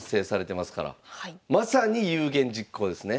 まさに有言実行ですね。